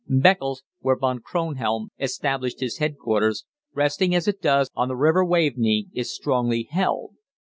Beccles, where von Kronhelm established his headquarters, resting as it does on the River Waveney, is strongly held.